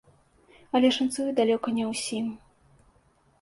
Але шанцуе далёка не ўсім.